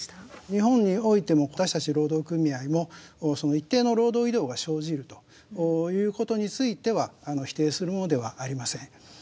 日本においても私たち労働組合もその一定の労働移動が生じるということについては否定するものではありません。